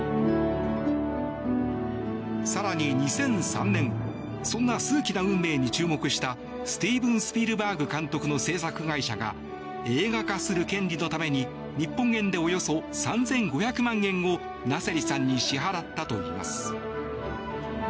更に２００３年そんな数奇な運命に注目したスティーブン・スピルバーグ監督の制作会社が映画化する権利のために日本円でおよそ３５００万円をナセリさんに支払ったといいます。